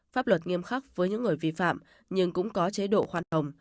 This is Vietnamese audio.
pháp luật nghiêm khắc với những người vi phạm nhưng cũng có chế độ khoan hồng